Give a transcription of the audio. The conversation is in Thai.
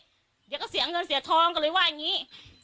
เดี๋ยวก็เสียเงินเสียทองก็เลยว่าอย่างนี้